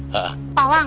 pak wang pak wang